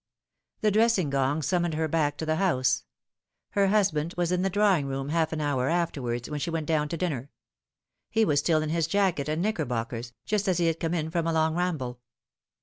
The dressing gong summoned her back to the house. Her husband was in the drawing room half an hour afterwards, when she went down to dinner. He was still in his jacket and knickerbockers, just as he had come in from a long ramble.